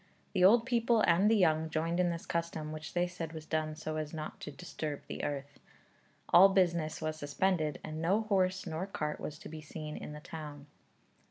The old people and the young joined in this custom, which they said was done so as not to 'disturb the earth.' All business was suspended, and no horse nor cart was to be seen in the town.